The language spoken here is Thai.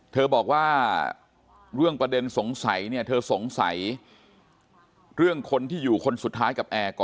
เธอบอกว่าเรื่องประเด็นสงสัยเนี่ยเธอสงสัยเรื่องคนที่อยู่คนสุดท้ายกับแอร์ก่อน